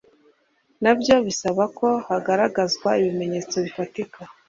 na byo bisaba ko hagaragazwa ibimenyetso bifatika